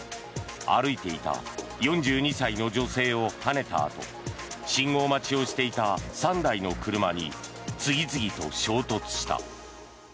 歩いていた４２歳の女性をはねたあと信号待ちをしていた３台の車に次々と衝突した。